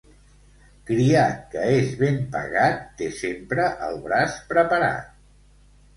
Criat que és ben pagat té sempre el braç preparat.